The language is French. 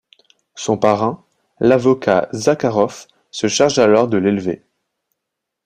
Son parrain, l'avocat Zakharov, se charge alors de l'élever.